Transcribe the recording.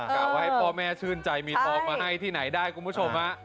กะว่าให้พ่อแม่ชื่นใจมีทองมาให้ที่ไหนได้คุณผู้ชมฮะ